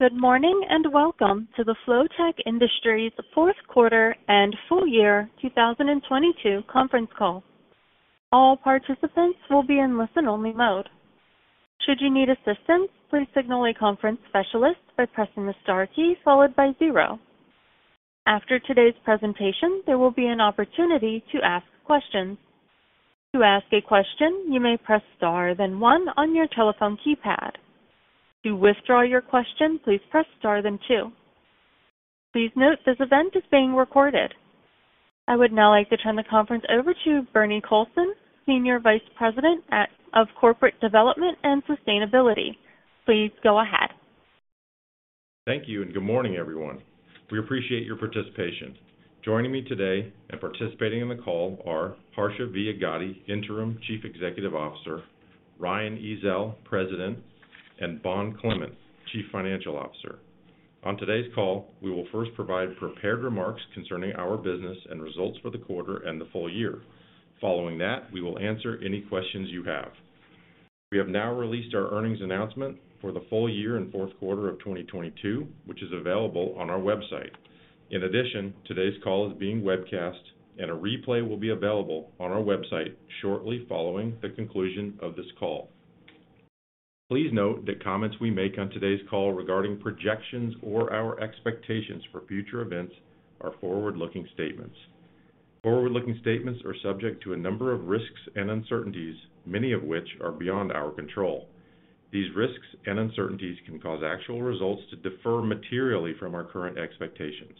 Good morning, and welcome to the Flotek Industries fourth quarter and full year 2022 conference call. All participants will be in listen-only mode. Should you need assistance, please signal a conference specialist by pressing the star key followed by zero. After today's presentation, there will be an opportunity to ask questions. To ask a question, you may press star then one on your telephone keypad. To withdraw your question, please press star then two. Please note this event is being recorded. I would now like to turn the conference over to Bernie Colson, Senior Vice President of Corporate Development and Sustainability. Please go ahead. Thank you. Good morning, everyone. We appreciate your participation. Joining me today and participating in the call are Harsha V. Agadi, Interim Chief Executive Officer, Ryan Ezell, President, and Bond Clement, Chief Financial Officer. On today's call, we will first provide prepared remarks concerning our business and results for the quarter and the full year. Following that, we will answer any questions you have. We have now released our earnings announcement for the full year and fourth quarter of 2022, which is available on our website. In addition, today's call is being webcast, and a replay will be available on our website shortly following the conclusion of this call. Please note the comments we make on today's call regarding projections or our expectations for future events are forward-looking statements. Forward-looking statements are subject to a number of risks and uncertainties, many of which are beyond our control. These risks and uncertainties can cause actual results to differ materially from our current expectations.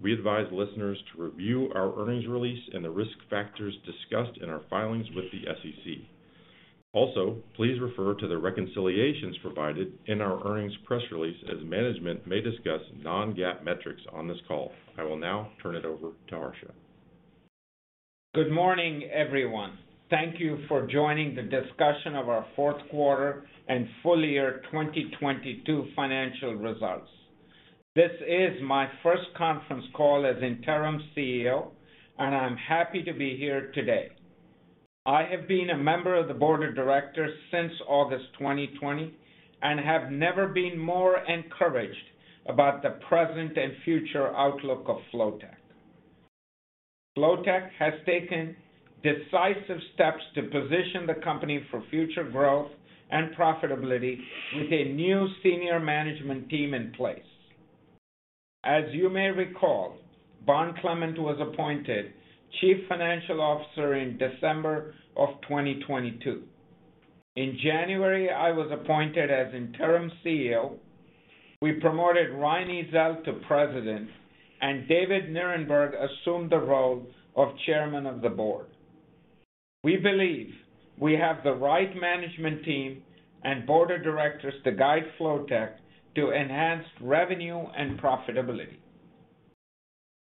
We advise listeners to review our earnings release and the risk factors discussed in our filings with the SEC. Also, please refer to the reconciliations provided in our earnings press release, as management may discuss non-GAAP metrics on this call. I will now turn it over to Harsha. Good morning, everyone. Thank you for joining the discussion of our fourth quarter and full year 2022 financial results. This is my first conference call as interim CEO, and I'm happy to be here today. I have been a member of the board of directors since August 2020 and have never been more encouraged about the present and future outlook of Flotek. Flotek has taken decisive steps to position the company for future growth and profitability with a new senior management team in place. As you may recall, Bond Clement was appointed chief financial officer in December 2022. In January, I was appointed as interim CEO. We promoted Ryan Ezell to president, and David Nierenberg assumed the role of chairman of the board. We believe we have the right management team and board of directors to guide Flotek to enhanced revenue and profitability.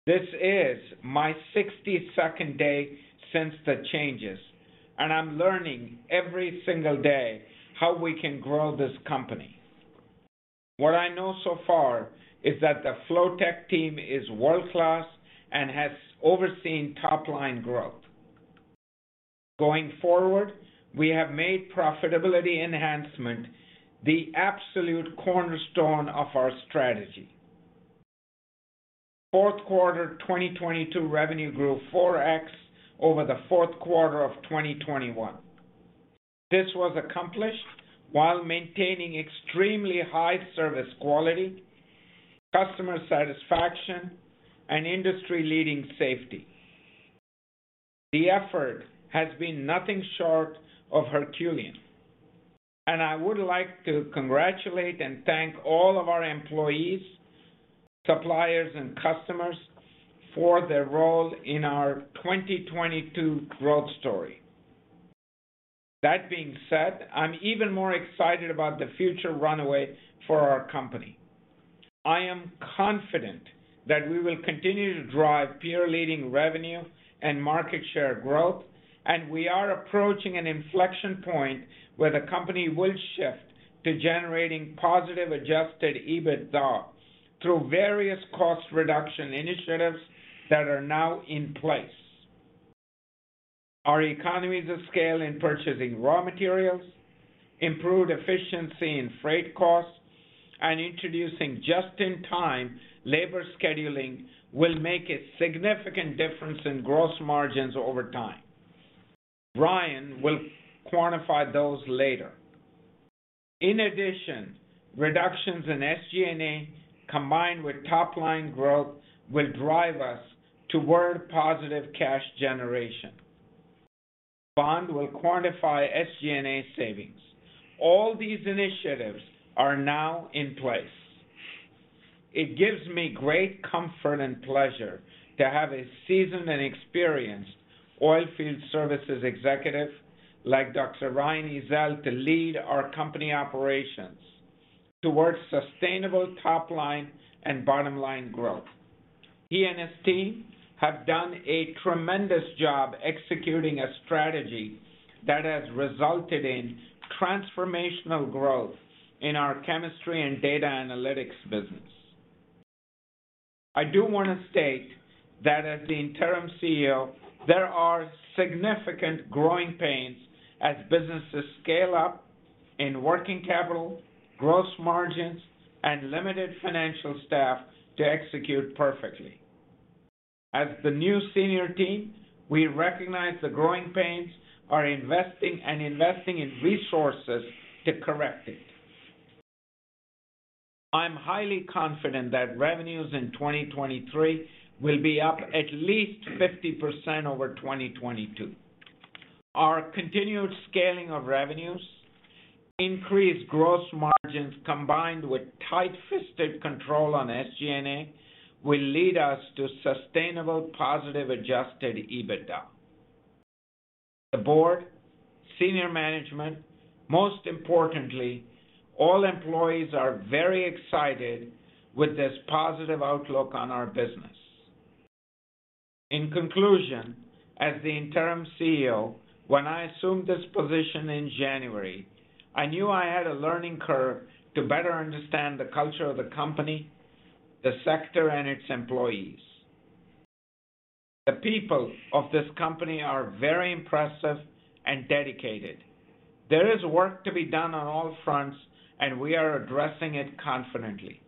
This is my 62nd day since the changes, and I'm learning every single day how we can grow this company. What I know so far is that the Flotek team is world-class and has overseen top-line growth. Going forward, we have made profitability enhancement the absolute cornerstone of our strategy. Fourth quarter 2022 revenue grew 4x over the fourth quarter of 2021. This was accomplished while maintaining extremely high service quality, customer satisfaction, and industry-leading safety. The effort has been nothing short of herculean, and I would like to congratulate and thank all of our employees, suppliers, and customers for their role in our 2022 growth story. That being said, I'm even more excited about the future runway for our company. I am confident that we will continue to drive peer-leading revenue and market share growth, and we are approaching an inflection point where the company will shift to generating positive adjusted EBITDA through various cost reduction initiatives that are now in place. Our economies of scale in purchasing raw materials, improved efficiency in freight costs, and introducing just-in-time labor scheduling will make a significant difference in gross margins over time. Ryan will quantify those later. In addition, reductions in SG&A, combined with top-line growth, will drive us toward positive cash generation. Bond will quantify SG&A savings. All these initiatives are now in place. It gives me great comfort and pleasure to have a seasoned and experienced oilfield services executive like Dr. Ryan Ezell to lead our company operations towards sustainable top-line and bottom-line growth. He and his team have done a tremendous job executing a strategy that has resulted in transformational growth in our chemistry and data analytics business. I do wanna state that as the interim CEO, there are significant growing pains as businesses scale up in working capital, gross margins, and limited financial staff to execute perfectly. As the new senior team, we recognize the growing pains, are investing in resources to correct it. I'm highly confident that revenues in 2023 will be up at least 50% over 2022. Our continued scaling of revenues, increased gross margins, combined with tight-fisted control on SG&A will lead us to sustainable positive adjusted EBITDA. The board, senior management, most importantly, all employees are very excited with this positive outlook on our business. In conclusion, as the interim CEO, when I assumed this position in January, I knew I had a learning curve to better understand the culture of the company, the sector, and its employees. The people of this company are very impressive and dedicated. There is work to be done on all fronts, and we are addressing it confidently.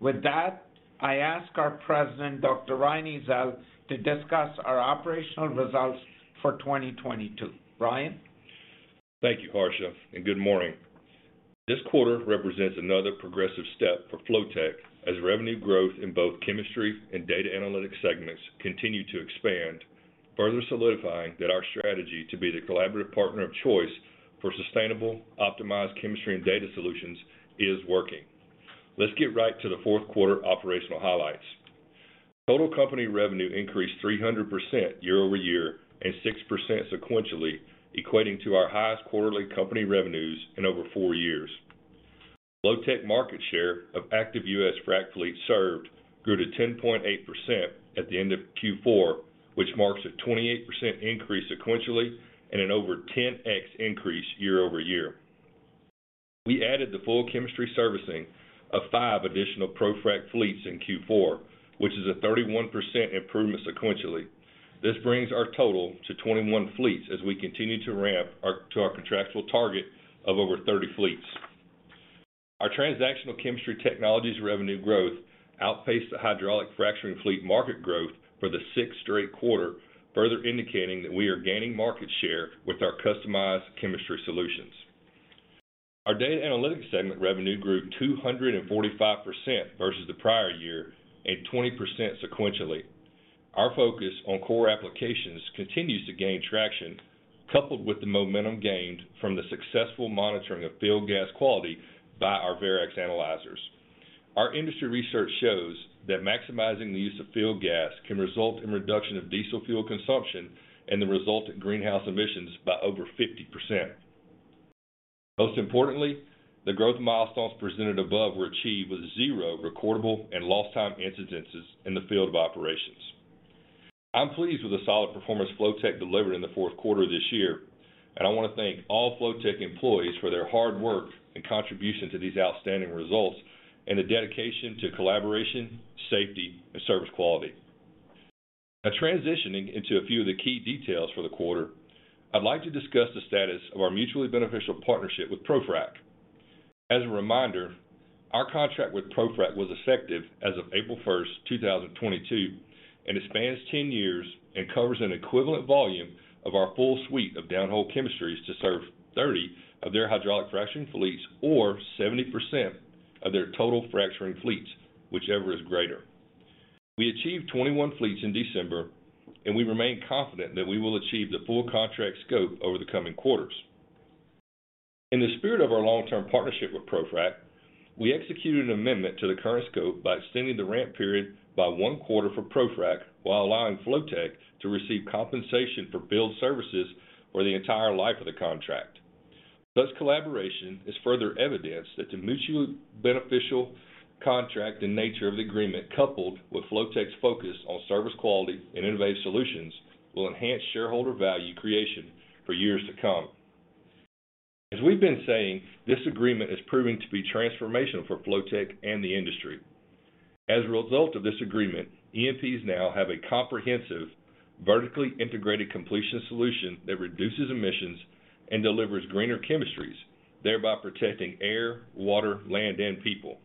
With that, I ask our President, Dr. Ryan Ezell, to discuss our operational results for 2022. Ryan. Thank you, Harsha, and good morning. This quarter represents another progressive step for Flotek as revenue growth in both chemistry and data analytics segments continue to expand, further solidifying that our strategy to be the collaborative partner of choice for sustainable, optimized chemistry and data solutions is working. Let's get right to the fourth quarter operational highlights. Total company revenue increased 300% year-over-year and 6% sequentially, equating to our highest quarterly company revenues in over four years. Flotek market share of active U.S. frac fleet served grew to 10.8% at the end of Q4, which marks a 28% increase sequentially and an over 10x increase year-over-year. We added the full chemistry servicing of five additional ProFrac fleets in Q4, which is a 31% improvement sequentially. This brings our total to 21 fleets as we continue to ramp to our contractual target of over 30 fleets. Our transactional chemistry technologies revenue growth outpaced the hydraulic fracturing fleet market growth for the sixth straight quarter, further indicating that we are gaining market share with our customized chemistry solutions. Our data analytics segment revenue grew 245% versus the prior year and 20% sequentially. Our focus on core applications continues to gain traction, coupled with the momentum gained from the successful monitoring of field gas quality by our Verax analyzers. Our industry research shows that maximizing the use of field gas can result in reduction of diesel fuel consumption and the resultant greenhouse emissions by over 50%. Most importantly, the growth milestones presented above were achieved with zero recordable and lost time incidences in the field of operations. I'm pleased with the solid performance Flotek delivered in the fourth quarter this year, and I wanna thank all Flotek employees for their hard work and contribution to these outstanding results and the dedication to collaboration, safety, and service quality. Now transitioning into a few of the key details for the quarter, I'd like to discuss the status of our mutually beneficial partnership with ProFrac. As a reminder, our contract with ProFrac was effective as of April first, 2022, and it spans 10 years and covers an equivalent volume of our full suite of downhole chemistries to serve 30 of their hydraulic fracturing fleets or 70% of their total fracturing fleets, whichever is greater. We achieved 21 fleets in December, and we remain confident that we will achieve the full contract scope over the coming quarters. In the spirit of our long-term partnership with ProFrac, we executed an amendment to the current scope by extending the ramp period by one quarter for ProFrac while allowing Flotek to receive compensation for billed services for the entire life of the contract. This collaboration is further evidence that the mutually beneficial contract and nature of the agreement, coupled with Flotek's focus on service quality and innovative solutions, will enhance shareholder value creation for years to come. As we've been saying, this agreement is proving to be transformational for Flotek and the industry. As a result of this agreement, E&Ps now have a comprehensive, vertically integrated completion solution that reduces emissions and delivers greener chemistries, thereby protecting air, water, land, and people.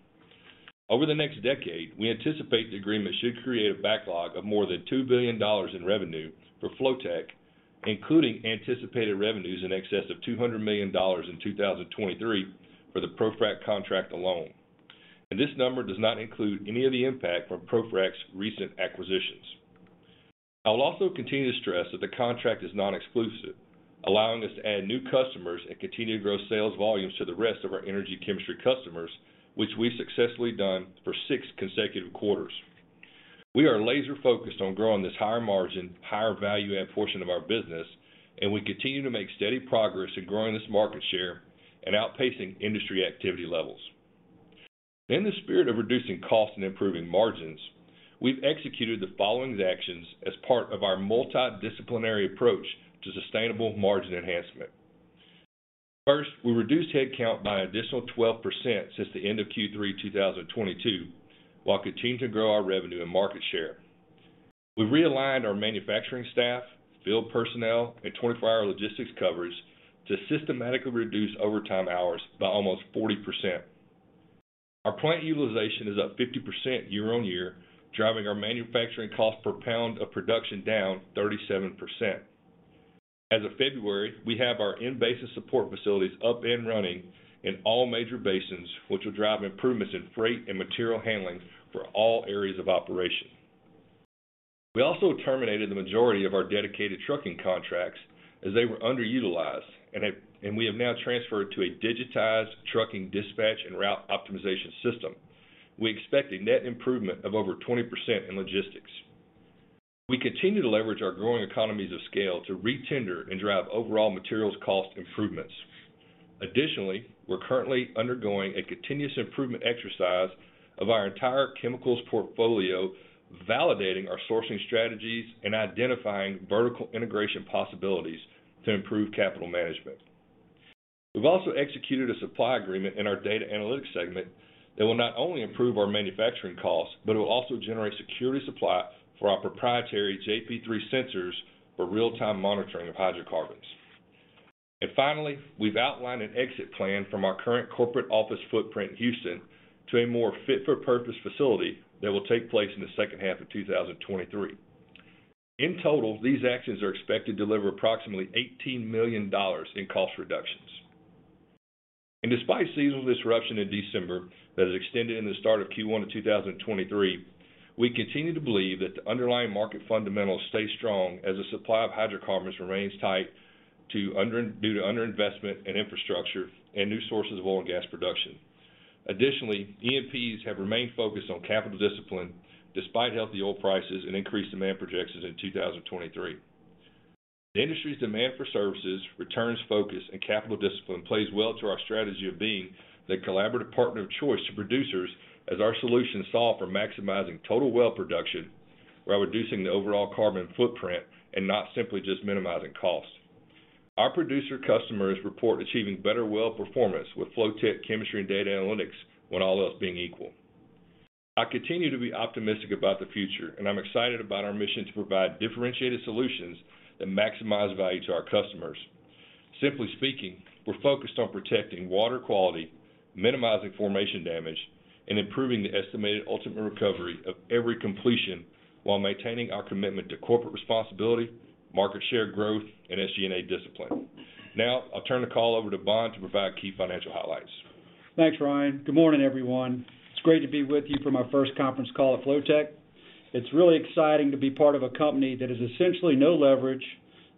Over the next decade, we anticipate the agreement should create a backlog of more than $2 billion in revenue for Flotek, including anticipated revenues in excess of $200 million in 2023 for the ProFrac contract alone. This number does not include any of the impact from ProFrac's recent acquisitions. I will also continue to stress that the contract is non-exclusive, allowing us to add new customers and continue to grow sales volumes to the rest of our energy chemistry customers, which we've successfully done for six consecutive quarters. We are laser-focused on growing this higher margin, higher value add portion of our business, and we continue to make steady progress in growing this market share and outpacing industry activity levels. In the spirit of reducing costs and improving margins, we've executed the following actions as part of our multidisciplinary approach to sustainable margin enhancement. First, we reduced headcount by additional 12% since the end of Q3 2022, while continuing to grow our revenue and market share. We realigned our manufacturing staff, field personnel, and 24-hour logistics coverage to systematically reduce overtime hours by almost 40%. Our plant utilization is up 50% year-on-year, driving our manufacturing cost per pound of production down 37%. As of February, we have our in-basin support facilities up and running in all major basins, which will drive improvements in freight and material handling for all areas of operation. We also terminated the majority of our dedicated trucking contracts as they were underutilized, and we have now transferred to a digitized trucking dispatch and route optimization system. We expect a net improvement of over 20% in logistics. We continue to leverage our growing economies of scale to re-tender and drive overall materials cost improvements. We're currently undergoing a continuous improvement exercise of our entire chemicals portfolio, validating our sourcing strategies and identifying vertical integration possibilities to improve capital management. We've also executed a supply agreement in our data analytics segment that will not only improve our manufacturing costs, but it will also generate security supply for our proprietary JP3 sensors for real-time monitoring of hydrocarbons. Finally, we've outlined an exit plan from our current corporate office footprint in Houston to a more fit for purpose facility that will take place in the second half of 2023. In total, these actions are expected to deliver approximately $18 million in cost reductions. Despite seasonal disruption in December that has extended in the start of Q1 of 2023, we continue to believe that the underlying market fundamentals stay strong as the supply of hydrocarbons remains tight due to under-investment in infrastructure and new sources of oil and gas production. Additionally, E&Ps have remained focused on capital discipline despite healthy oil prices and increased demand projections in 2023. The industry's demand for services, returns focus, and capital discipline plays well to our strategy of being the collaborative partner of choice to producers as our solution solve for maximizing total well production while reducing the overall carbon footprint and not simply just minimizing costs. Our producer customers report achieving better well performance with Flotek chemistry and data analytics when all else being equal. I continue to be optimistic about the future, I'm excited about our mission to provide differentiated solutions that maximize value to our customers. Simply speaking, we're focused on protecting water quality, minimizing formation damage, and improving the estimated ultimate recovery of every completion while maintaining our commitment to corporate responsibility, market share growth, and SG&A discipline. I'll turn the call over to Bond to provide key financial highlights. Thanks, Ryan. Good morning, everyone. It's great to be with you for my first conference call at Flotek. It's really exciting to be part of a company that has essentially no leverage,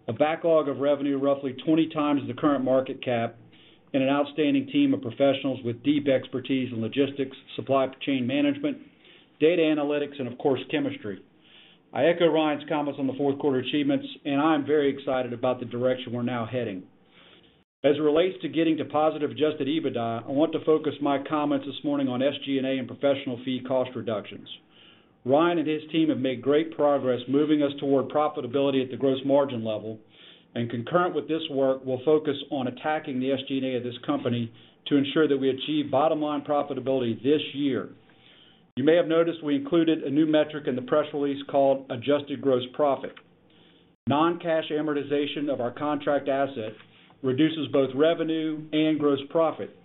a backlog of revenue roughly 20 times the current market cap, and an outstanding team of professionals with deep expertise in logistics, supply chain management, data analytics, and of course, chemistry. I echo Ryan's comments on the fourth quarter achievements, and I am very excited about the direction we're now heading. As it relates to getting to positive adjusted EBITDA, I want to focus my comments this morning on SG&A and professional fee cost reductions. Ryan and his team have made great progress moving us toward profitability at the gross margin level, and concurrent with this work, we'll focus on attacking the SG&A of this company to ensure that we achieve bottom line profitability this year. You may have noticed we included a new metric in the press release called adjusted gross profit. Non-cash amortization of our contract asset reduces both revenue and gross profit.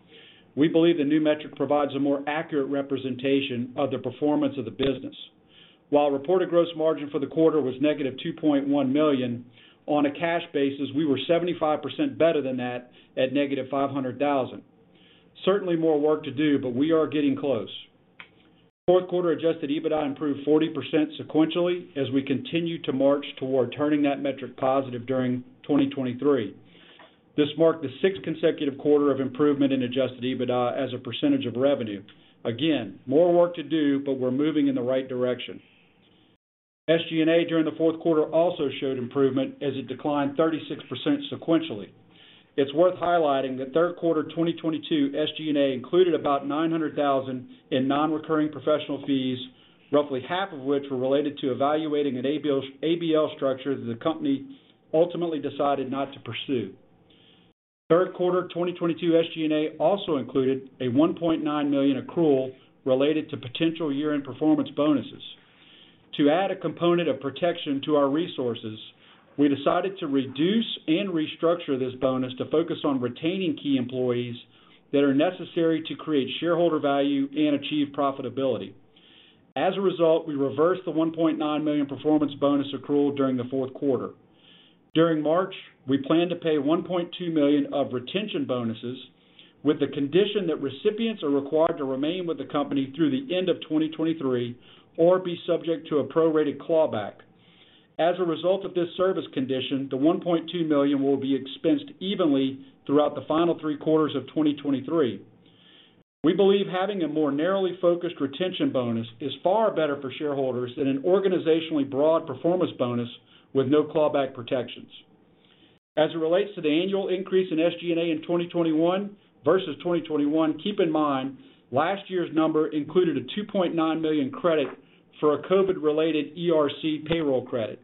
We believe the new metric provides a more accurate representation of the performance of the business. While reported gross margin for the quarter was negative $2.1 million, on a cash basis, we were 75% better than that at negative $500,000. Certainly more work to do, but we are getting close. Fourth quarter adjusted EBITDA improved 40% sequentially as we continue to march toward turning that metric positive during 2023. This marked the sixth consecutive quarter of improvement in adjusted EBITDA as a percentage of revenue. Again, more work to do, but we're moving in the right direction. SG&A during the fourth quarter also showed improvement as it declined 36% sequentially. It's worth highlighting that third quarter 2022 SG&A included about $900,000 in non-recurring professional fees, roughly half of which were related to evaluating an ABL structure that the company ultimately decided not to pursue. Third quarter of 2022 SG&A also included a $1.9 million accrual related to potential year-end performance bonuses. To add a component of protection to our resources, we decided to reduce and restructure this bonus to focus on retaining key employees that are necessary to create shareholder value and achieve profitability. As a result, we reversed the $1.9 million performance bonus accrual during the fourth quarter. During March, we plan to pay $1.2 million of retention bonuses with the condition that recipients are required to remain with the company through the end of 2023 or be subject to a prorated clawback. As a result of this service condition, the $1.2 million will be expensed evenly throughout the final three quarters of 2023. We believe having a more narrowly focused retention bonus is far better for shareholders than an organizationally broad performance bonus with no clawback protections. As it relates to the annual increase in SG&A in 2021 versus 2021, keep in mind last year's number included a $2.9 million credit for a COVID-related ERC payroll credit.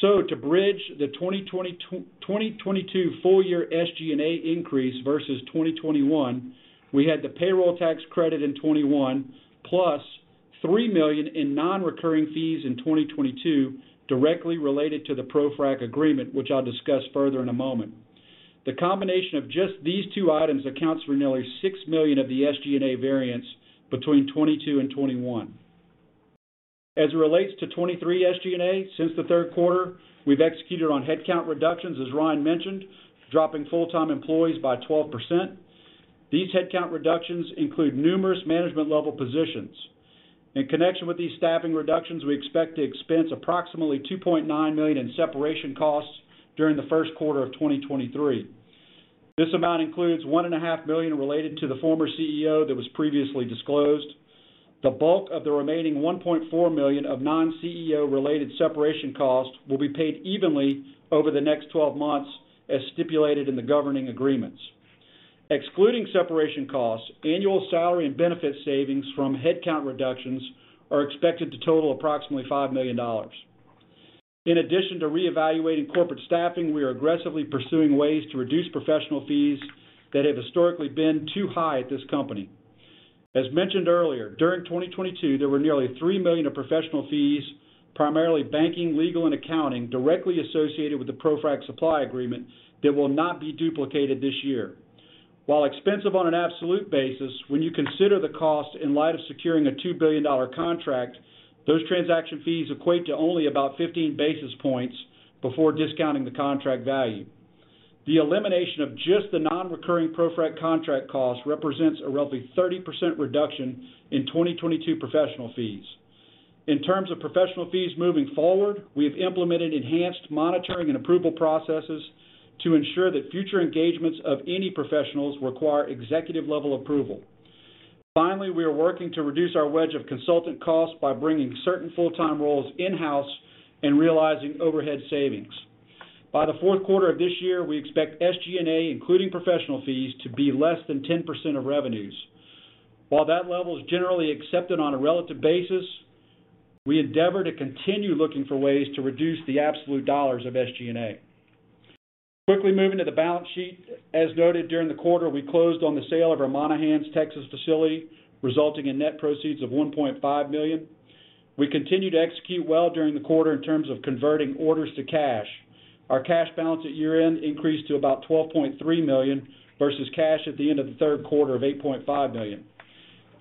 So to bridge the 2022 full year SG&A increase versus 2021, we had the payroll tax credit in 2021, plus $3 million in non-recurring fees in 2022 directly related to the ProFrac agreement, which I'll discuss further in a moment. The combination of just these two items accounts for nearly $6 million of the SG&A variance between 2022 and 2021. As it relates to 2023 SG&A, since the third quarter, we've executed on headcount reductions, as Ryan mentioned, dropping full-time employees by 12%. These headcount reductions include numerous management level positions. In connection with these staffing reductions, we expect to expense approximately $2.9 million in separation costs during the first quarter of 2023. This amount includes $1.5 million related to the former CEO that was previously disclosed. The bulk of the remaining $1.4 million of non-CEO related separation costs will be paid evenly over the next 12 months, as stipulated in the governing agreements. Excluding separation costs, annual salary and benefit savings from headcount reductions are expected to total approximately $5 million. In addition to reevaluating corporate staffing, we are aggressively pursuing ways to reduce professional fees that have historically been too high at this company. As mentioned earlier, during 2022, there were nearly $3 million of professional fees, primarily banking, legal, and accounting, directly associated with the ProFrac supply agreement that will not be duplicated this year. While expensive on an absolute basis, when you consider the cost in light of securing a $2 billion contract, those transaction fees equate to only about 15 basis points before discounting the contract value. The elimination of just the non-recurring ProFrac contract cost represents a roughly 30% reduction in 2022 professional fees. In terms of professional fees moving forward, we have implemented enhanced monitoring and approval processes to ensure that future engagements of any professionals require executive level approval. Finally we are working to reduce our wedge of consultant costs by bringing certain full-time roles in-house and realizing overhead savings. By the fourth quarter of this year, we expect SG&A, including professional fees, to be less than 10% of revenues. That level is generally accepted on a relative basis, we endeavor to continue looking for ways to reduce the absolute dollars of SG&A. Quickly moving to the balance sheet. As noted during the quarter, we closed on the sale of our Monahans, Texas facility, resulting in net proceeds of $1.5 million. We continued to execute well during the quarter in terms of converting orders to cash. Our cash balance at year-end increased to about $12.3 million versus cash at the end of the third quarter of $8.5 million.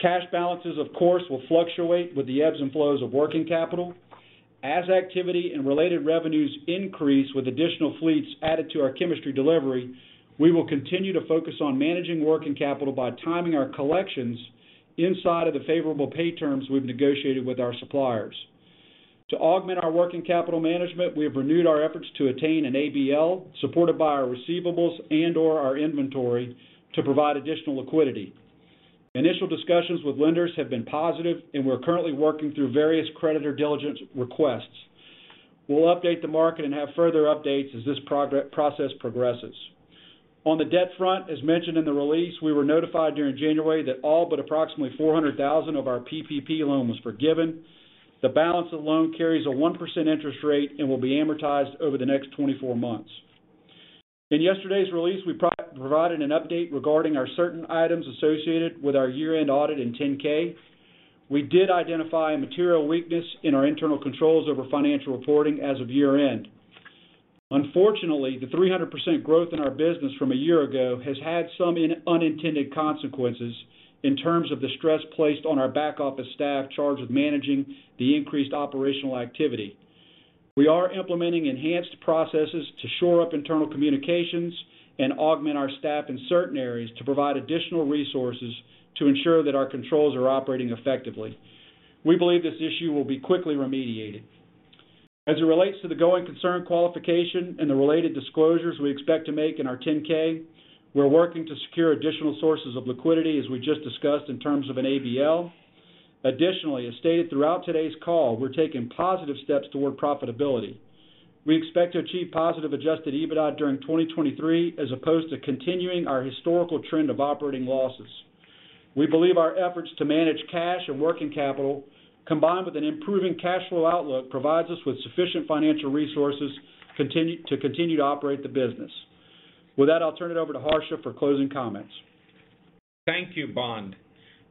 Cash balances, of course, will fluctuate with the ebbs and flows of working capital. As activity and related revenues increase with additional fleets added to our chemistry delivery, we will continue to focus on managing working capital by timing our collections inside of the favorable pay terms we've negotiated with our suppliers. To augment our working capital management, we have renewed our efforts to attain an ABL supported by our receivables and/or our inventory to provide additional liquidity. Initial discussions with lenders have been positive. We're currently working through various creditor diligence requests. We'll update the market and have further updates as this process progresses. On the debt front, as mentioned in the release, we were notified during January that all but approximately $400,000 of our PPP loan was forgiven. The balance of the loan carries a 1% interest rate and will be amortized over the next 24 months. In yesterday's release, we provided an update regarding our certain items associated with our year-end audit and 10-K. We did identify a material weakness in our internal controls over financial reporting as of year-end. Unfortunately, the 300% growth in our business from a year ago has had some unintended consequences in terms of the stress placed on our back office staff charged with managing the increased operational activity. We are implementing enhanced processes to shore up internal communications and augment our staff in certain areas to provide additional resources to ensure that our controls are operating effectively. We believe this issue will be quickly remediated. As it relates to the going concern qualification and the related disclosures we expect to make in our 10-K, we're working to secure additional sources of liquidity, as we just discussed in terms of an ABL. Additionally, as stated throughout today's call, we're taking positive steps toward profitability. We expect to achieve positive adjusted EBITDA during 2023 as opposed to continuing our historical trend of operating losses. We believe our efforts to manage cash and working capital, combined with an improving cash flow outlook, provides us with sufficient financial resources to continue to operate the business. With that, I'll turn it over to Harsha for closing comments. Thank you, Bond.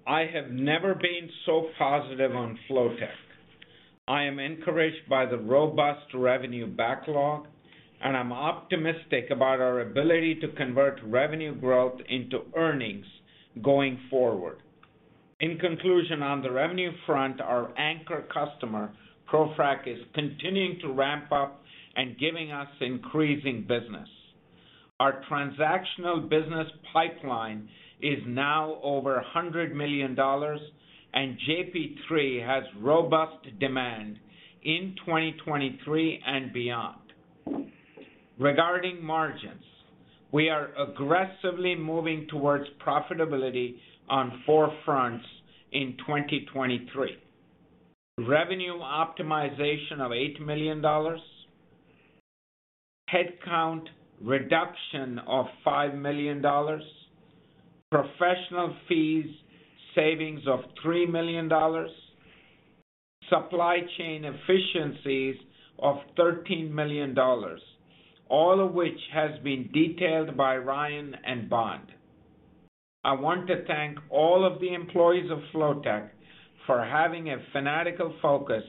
I have never been so positive on Flotek. I am encouraged by the robust revenue backlog. I'm optimistic about our ability to convert revenue growth into earnings going forward. In conclusion, on the revenue front, our anchor customer, ProFrac, is continuing to ramp up and giving us increasing business. Our transactional business pipeline is now over $100 million. JP3 has robust demand in 2023 and beyond. Regarding margins, we are aggressively moving towards profitability on four fronts in 2023. Revenue optimization of $8 million. Headcount reduction of $5 million. Professional fees savings of $3 million. Supply chain efficiencies of $13 million, all of which has been detailed by Ryan and Bond. I want to thank all of the employees of Flotek for having a fanatical focus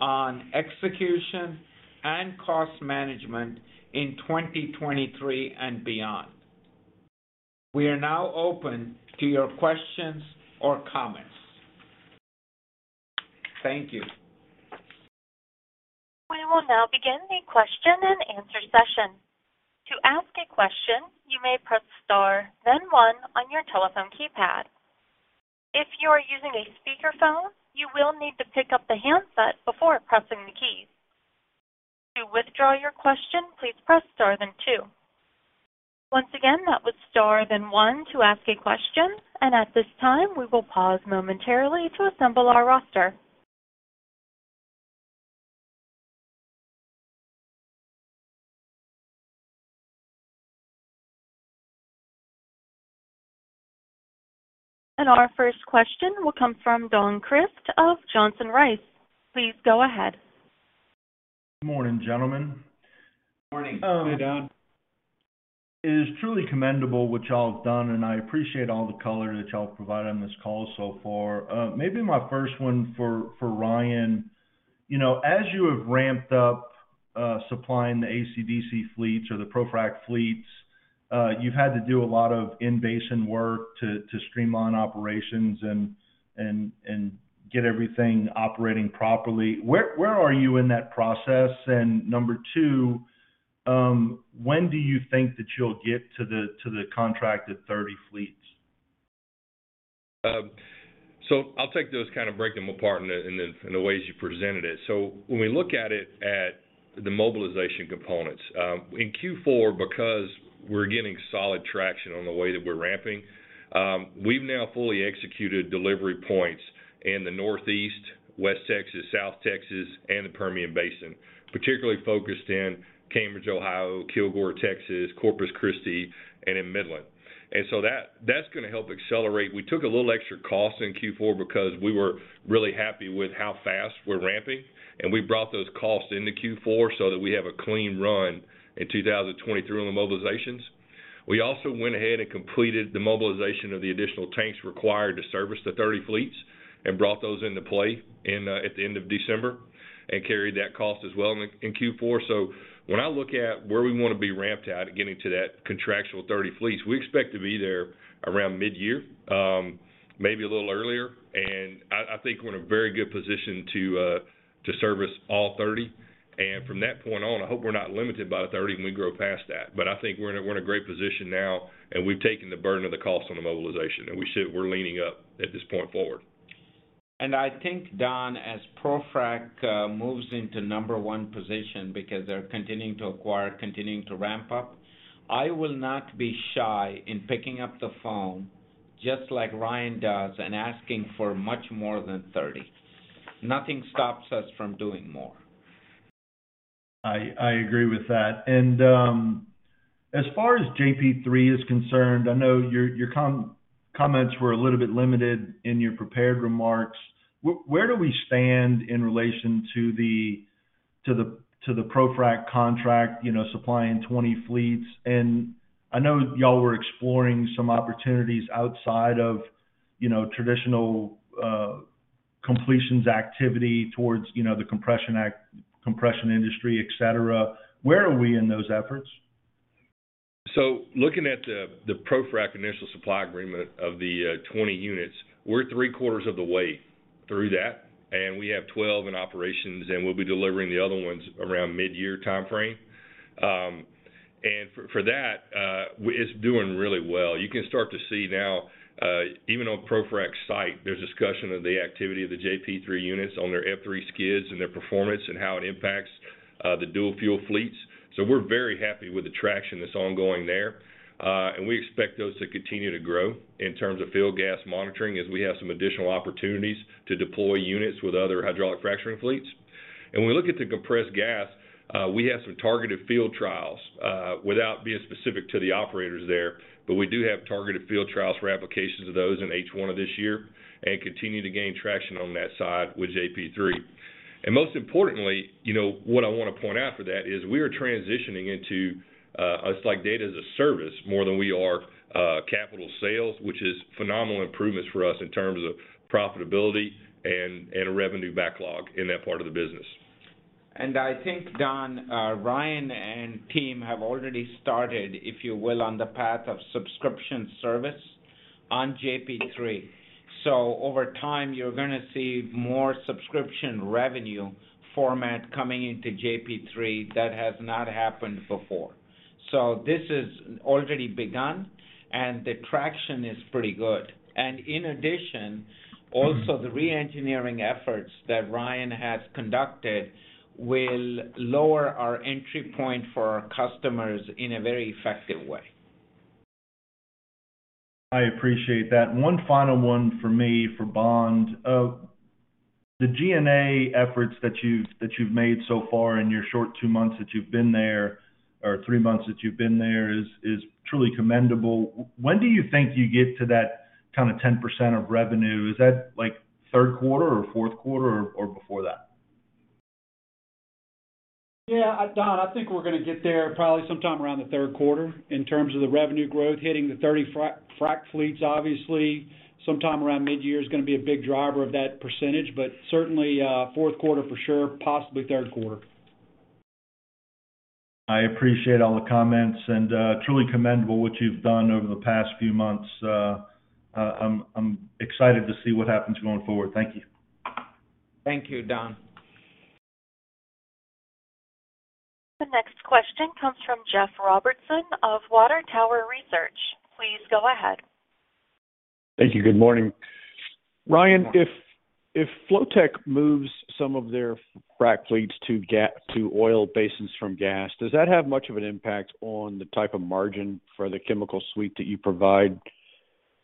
on execution and cost management in 2023 and beyond. We are now open to your questions or comments. Thank you. We will now begin the question and answer session. To ask a question, you may press star, then one on your telephone keypad. If you are using a speakerphone, you will need to pick up the handset before pressing the keys. To withdraw your question, please press star then two. Once again, that was star then one to ask a question. At this time, we will pause momentarily to assemble our roster. Our first question will come from Don Crist of Johnson Rice. Please go ahead. Good morning, gentlemen. Morning. Hey, Don. It is truly commendable what y'all have done, and I appreciate all the color that y'all have provided on this call so far. Maybe my first one for Ryan. You know, as you have ramped up, supplying the ACDC fleets or the ProFrac fleets, you've had to do a lot of in-basin work to streamline operations and get everything operating properly. Where are you in that process? Number two, when do you think that you'll get to the contracted 30 fleets? I'll take those, kind of break them apart in the ways you presented it. When we look at it at the mobilization components, in Q4, because we're getting solid traction on the way that we're ramping, we've now fully executed delivery points in the Northeast, West Texas, South Texas, and the Permian Basin, particularly focused in Cambridge, Ohio, Kilgore, Texas, Corpus Christi, and in Midland. That's gonna help accelerate. We took a little extra cost in Q4 because we were really happy with how fast we're ramping, and we brought those costs into Q4 so that we have a clean run in 2023 on the mobilizations. We also went ahead and completed the mobilization of the additional tanks required to service the 30 fleets and brought those into play at the end of December and carried that cost as well in Q4. So when I look at where we wanna be ramped out at getting to that contractual 30 fleets, we expect to be there around mid-year, maybe a little earlier. I think we're in a very good position to service all 30. And from that point on, I hope we're not limited by the 30 and we grow past that. I think we're in a great position now, and we've taken the burden of the cost on the mobilization, and we're leaning up at this point forward. I think, Don, as ProFrac moves into number one position because they're continuing to acquire, continuing to ramp up, I will not be shy in picking up the phone, just like Ryan does, and asking for much more than 30. Nothing stops us from doing more. I agree with that. As far as JP3 is concerned, I know your comments were a little bit limited in your prepared remarks. Where do we stand in relation to the ProFrac contract, you know, supplying 20 fleets? I know y'all were exploring some opportunities outside of, you know, traditional, completions activity towards, you know, the compression industry, et cetera. Where are we in those efforts? Looking at the ProFrac initial supply agreement of the 20 units, we're three quarters of the way through that, and we have 12 in operations, and we'll be delivering the other ones around mid-year timeframe. For that, it's doing really well. You can start to see now, even on ProFrac's site, there's discussion of the activity of the JP3 units on their F3 skids and their performance and how it impacts the dual fuel fleets. We're very happy with the traction that's ongoing there. We expect those to continue to grow in terms of field gas monitoring as we have some additional opportunities to deploy units with other hydraulic fracturing fleets. When we look at the compressed gas, we have some targeted field trials, without being specific to the operators there. We do have targeted field trials for applications of those in H1 of this year and continue to gain traction on that side with JP3. Most importantly, you know, what I wanna point out for that is we are transitioning into, it's like data as a service more than we are, capital sales, which is phenomenal improvements for us in terms of profitability and revenue backlog in that part of the business. I think, Don, Ryan and team have already started, if you will, on the path of subscription service on JP3. Over time, you're gonna see more subscription revenue format coming into JP3 that has not happened before. This has already begun, and the traction is pretty good. In addition, also the re-engineering efforts that Ryan has conducted will lower our entry point for our customers in a very effective way. I appreciate that. One final one for me for Bond. The SG&A efforts that you've made so far in your short two months that you've been there or three months that you've been there is truly commendable. When do you think you get to that kind of 10% of revenue? Is that like third quarter or fourth quarter or before that? Yeah, Don, I think we're gonna get there probably sometime around the third quarter in terms of the revenue growth. Hitting the 30 frac fleets, obviously, sometime around midyear is gonna be a big driver of that percentage, but certainly, fourth quarter for sure, possibly third quarter. I appreciate all the comments, and truly commendable what you've done over the past few months. I'm excited to see what happens going forward. Thank you. Thank you, Don. The next question comes from Jeff Robertson of Water Tower Research. Please go ahead. Thank you. Good morning. Ryan, if Flotek moves some of their frac fleets to oil basins from gas, does that have much of an impact on the type of margin for the chemical suite that you provide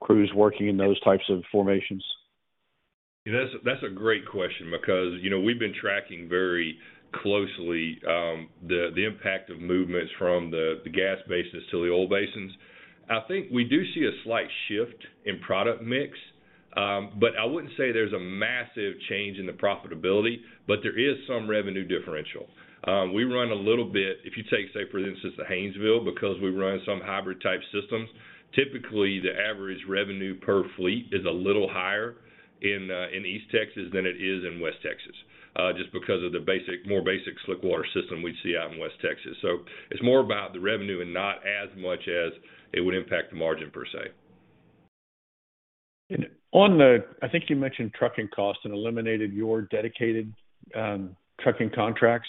crews working in those types of formations? That's a great question because, you know, we've been tracking very closely, the impact of movements from the gas basins to the oil basins. I think we do see a slight shift in product mix, but I wouldn't say there's a massive change in the profitability, but there is some revenue differential. If you take, say for instance, the Haynesville, because we run some hybrid type systems, typically the average revenue per fleet is a little higher in East Texas than it is in West Texas, just because of the basic, more basic slickwater system we see out in West Texas. It's more about the revenue and not as much as it would impact the margin per se. I think you mentioned trucking costs and eliminated your dedicated trucking contracts.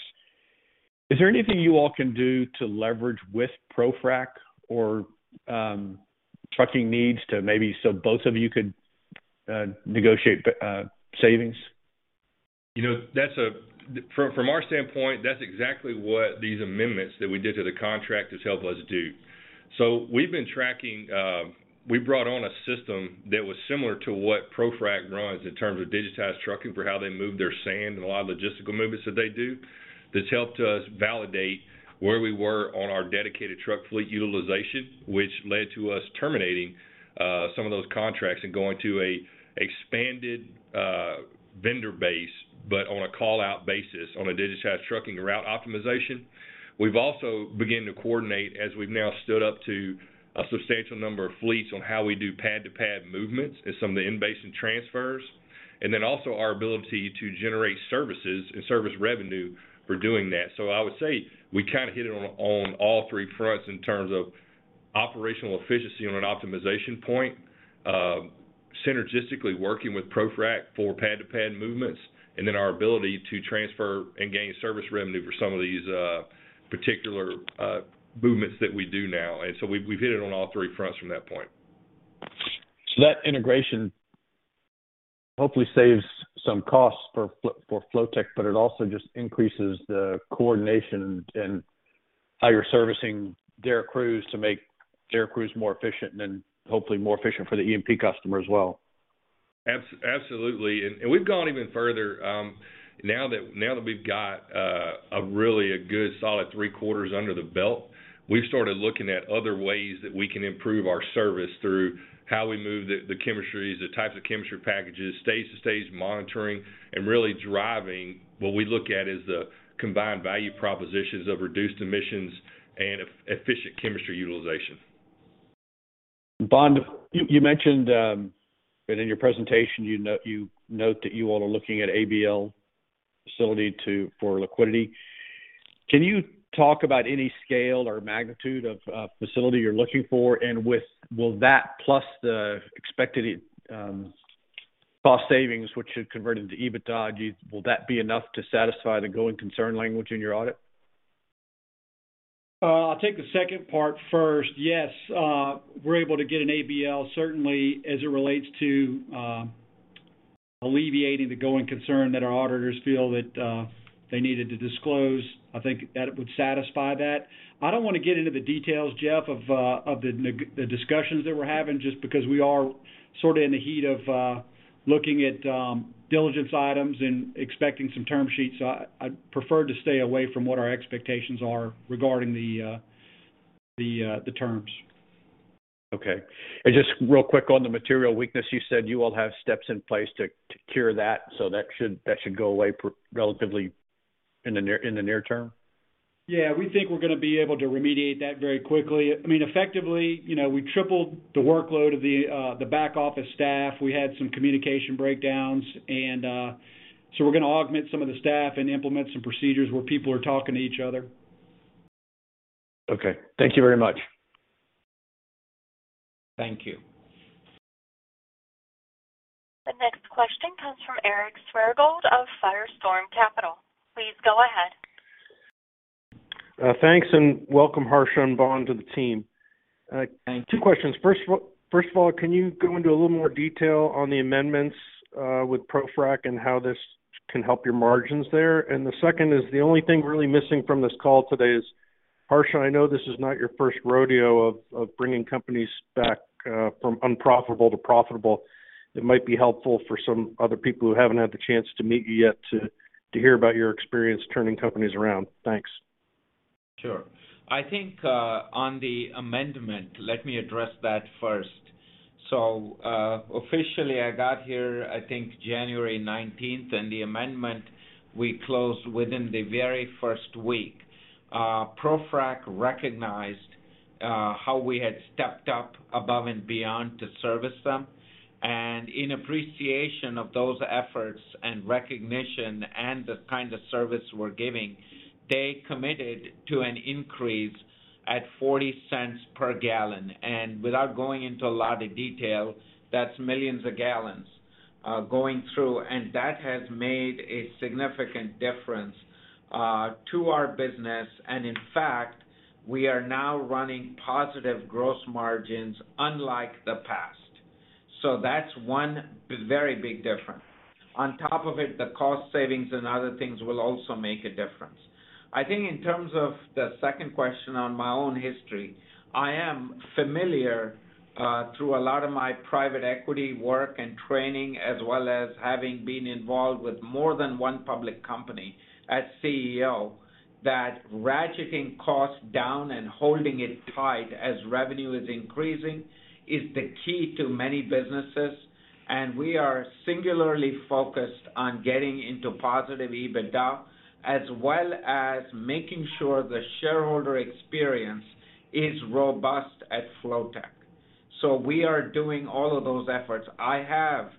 Is there anything you all can do to leverage with ProFrac or trucking needs to maybe so both of you could negotiate savings? You know, that's from our standpoint, that's exactly what these amendments that we did to the contract has helped us do. We've been tracking, we brought on a system that was similar to what ProFrac runs in terms of digitized trucking for how they move their sand and a lot of logistical movements that they do. That's helped us validate where we were on our dedicated truck fleet utilization, which led to us terminating, some of those contracts and going to a expanded, vendor base, but on a call-out basis on a digitized trucking route optimization. We've also begun to coordinate, as we've now stood up to a substantial number of fleets on how we do pad-to-pad movements as some of the in-basin transfers, and then also our ability to generate services and service revenue for doing that. I would say we kind of hit it on all three fronts in terms of operational efficiency on an optimization point, synergistically working with ProFrac for pad-to-pad movements, and then our ability to transfer and gain service revenue for some of these particular movements that we do now. We've hit it on all three fronts from that point. That integration hopefully saves some costs for Flotek, but it also just increases the coordination and how you're servicing their crews to make their crews more efficient and hopefully more efficient for the E&P customer as well. Absolutely. We've gone even further, now that we've got a really good solid three quarters under the belt, we've started looking at other ways that we can improve our service through how we move the chemistries, the types of chemistry packages, stage to stage monitoring, and really driving what we look at as the combined value propositions of reduced emissions and efficient chemistry utilization. Bond, you mentioned, and in your presentation, you note that you all are looking at ABL facility for liquidity. Can you talk about any scale or magnitude of facility you're looking for? Will that plus the expected cost savings which you converted into EBITDA, will that be enough to satisfy the going concern language in your audit? I'll take the second part first. Yes, we're able to get an ABL, certainly as it relates to alleviating the going concern that our auditors feel that they needed to disclose. I think that it would satisfy that. I don't wanna get into the details, Jeff, of the discussions that we're having just because we are sort of in the heat of looking at diligence items and expecting some term sheets. I'd prefer to stay away from what our expectations are regarding the terms. Okay. Just real quick on the material weakness, you said you all have steps in place to cure that, so that should go away relatively in the near term? We think we're gonna be able to remediate that very quickly. I mean, effectively, you know, we tripled the workload of the back office staff. We had some communication breakdowns and we're gonna augment some of the staff and implement some procedures where people are talking to each other. Okay. Thank you very much. Thank you. The next question comes from Eric Swergold of Firestorm Capital. Please go ahead. Thanks, and welcome Harsha and Bond to the team. Thank you. Two questions. First of all, can you go into a little more detail on the amendments with ProFrac and how this can help your margins there? The second is, the only thing really missing from this call today is. Harsha, I know this is not your first rodeo of bringing companies back from unprofitable to profitable. It might be helpful for some other people who haven't had the chance to meet you yet to hear about your experience turning companies around. Thanks. Sure. I think on the amendment, let me address that first. Officially, I got here, I think January 19th, and the amendment, we closed within the very first week. ProFrac recognized how we had stepped up above and beyond to service them. In appreciation of those efforts and recognition and the kind of service we're giving, they committed to an increase at $0.40 per gallon. Without going into a lot of detail, that's millions of gallons going through. That has made a significant difference to our business. And in fact, we are now running positive gross margins unlike the past. That's one very big difference. On top of it, the cost savings and other things will also make a difference. I think in terms of the second question on my own history, I am familiar, through a lot of my private equity work and training, as well as having been involved with more than one public company as CEO, that ratcheting costs down and holding it tight as revenue is increasing is the key to many businesses. And we are singularly focused on getting into positive EBITDA, as well as making sure the shareholder experience is robust at Flotek. We are doing all of those efforts. I have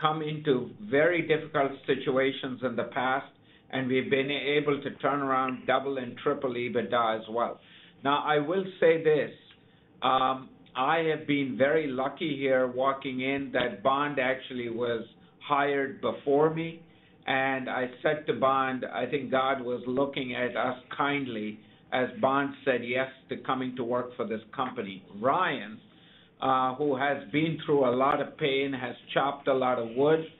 come into very difficult situations in the past, and we've been able to turn around double and triple EBITDA as well. I will say this, I have been very lucky here walking in that Bond actually was hired before me, and I said to Bond, "I think God was looking at us kindly," as Bond said yes to coming to work for this company. Ryan, who has been through a lot of pain, has chopped a lot of wood,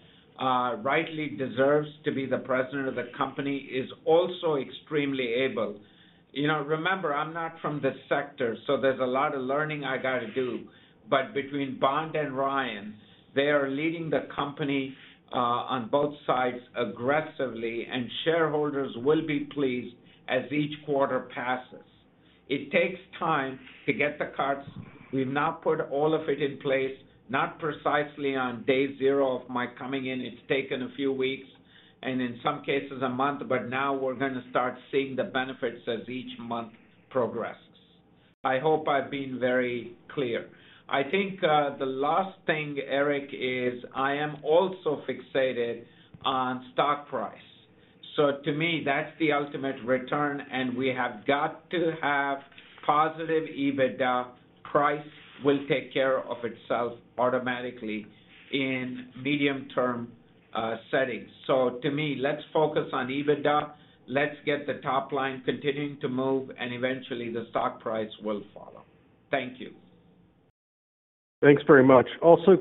rightly deserves to be the President of the company, is also extremely able. You know, remember, I'm not from this sector, so there's a lot of learning I gotta do. But between Bond and Ryan, they are leading the company on both sides aggressively. Shareholders will be pleased as each quarter passes. It takes time to get the carts. We've now put all of it in place, not precisely on day zero of my coming in. It's taken a few weeks and in some cases a month, now we're gonna start seeing the benefits as each month progresses. I hope I've been very clear. I think, the last thing, Eric, is I am also fixated on stock price. To me, that's the ultimate return, and we have got to have positive EBITDA. Price will take care of itself automatically in medium-term settings. To me, let's focus on EBITDA, let's get the top line continuing to move, and eventually the stock price will follow. Thank you. Thanks very much.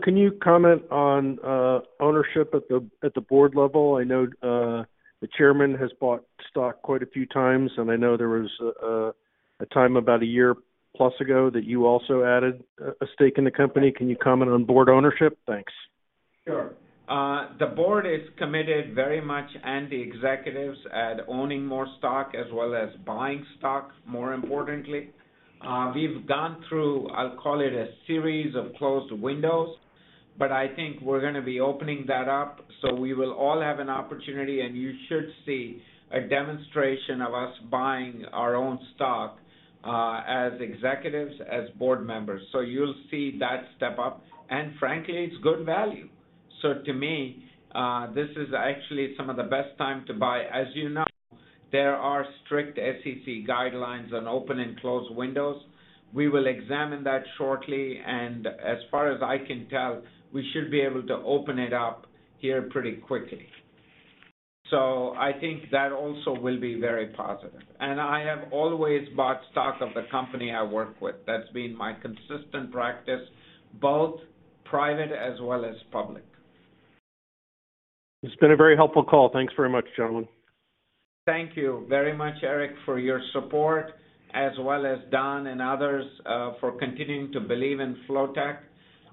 Can you comment on ownership at the board level? I know, the chairman has bought stock quite a few times, and I know there was a time about 1 year plus ago that you also added a stake in the company. Can you comment on board ownership? Thanks. Sure. The board is committed very much, and the executives at owning more stock as well as buying stock, more importantly. We've gone through, I'll call it a series of closed windows, but I think we're gonna be opening that up, so we will all have an opportunity, and you should see a demonstration of us buying our own stock, as executives, as board members. You'll see that step up. Frankly, it's good value. To me, this is actually some of the best time to buy. As you know, there are strict SEC guidelines on open and closed windows. We will examine that shortly, and as far as I can tell, we should be able to open it up here pretty quickly. I think that also will be very positive. I have always bought stock of the company I work with. That's been my consistent practice, both private as well as public. It's been a very helpful call. Thanks very much, gentlemen. Thank you very much, Eric, for your support, as well as Don and others, for continuing to believe in Flotek.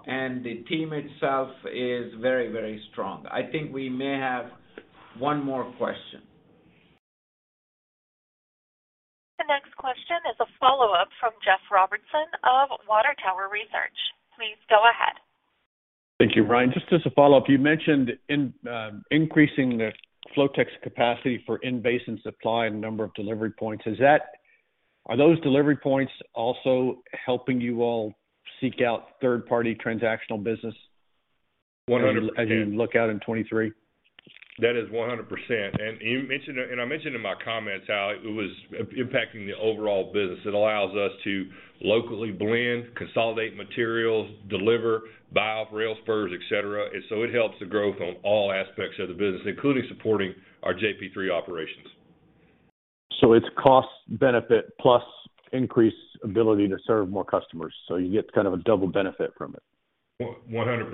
The team itself is very, very strong. I think we may have one more question. The next question is a follow-up from Jeff Robertson of Water Tower Research. Please go ahead. Thank you. Ryan, just as a follow-up, you mentioned in increasing the Flotek's capacity for in-basin supply and number of delivery points. Are those delivery points also helping you all seek out third-party transactional business? 100%. As you look out in 2023? That is 100%. You mentioned it, and I mentioned in my comments how it was impacting the overall business. It allows us to locally blend, consolidate materials, deliver, buy off rail spurs, et cetera. It helps the growth on all aspects of the business, including supporting our JP3 operations. It's cost benefit plus increased ability to serve more customers, so you get kind of a double benefit from it. 100%.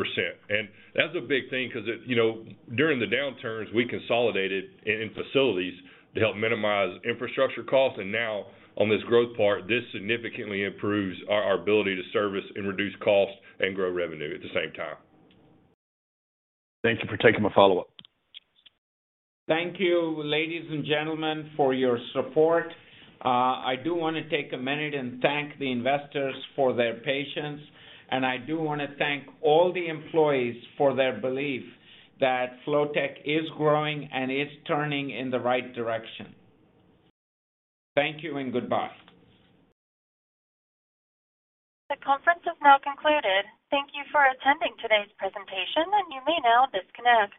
That's a big thing because, you know, during the downturns, we consolidated in facilities to help minimize infrastructure costs. Now on this growth part, this significantly improves our ability to service and reduce costs and grow revenue at the same time. Thank you for taking my follow-up. Thank you, ladies and gentlemen, for your support. I do wanna take a minute and thank the investors for their patience. I do wanna thank all the employees for their belief that Flotek is growing and is turning in the right direction. Thank you and goodbye. The conference has now concluded. Thank you for attending today's presentation. You may now disconnect.